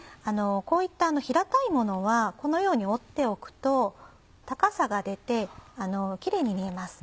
こういった平たいものはこのように折っておくと高さが出てキレイに見えます。